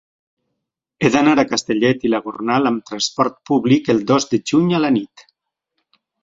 He d'anar a Castellet i la Gornal amb trasport públic el dos de juny a la nit.